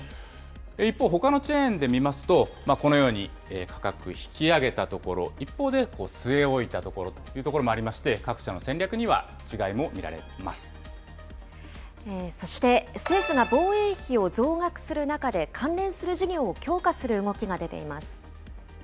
一方、ほかのチェーンで見ますと、このように価格引き上げたところ、一方で据え置いたところというところもありまして、各社の戦略にそして、政府が防衛費を増額する中で、関連する事業を強化する動きが出ています。